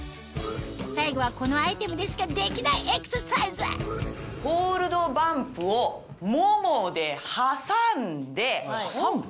最後はこのアイテムでしかできないエクササイズホールドバンプをももで挟んで。